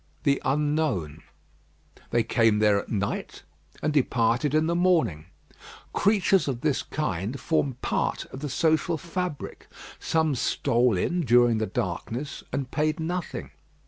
The unknown. They came there at night, and departed in the morning. Creatures of this kind form part of the social fabric. Some stole in during the darkness, and paid nothing.